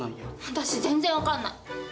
私全然分かんない。